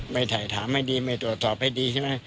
ไม่ถ่ายถามให้ดีไม่ตรวจสอบให้ดีใช่ไหม